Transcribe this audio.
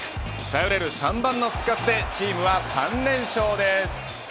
頼れる３番の復活でチームは３連勝です。